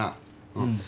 うん。